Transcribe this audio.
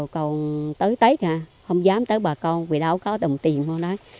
còn tới tết ha không dám tới bà con vì đâu có đồng tiền không đó